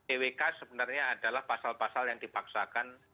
ewk sebenarnya adalah pasal pasal yang dipaksakan